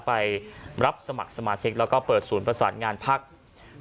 ไปรับสมัครสมาชิกแล้วก็เปิดศูนย์ประสานงานภักดิ์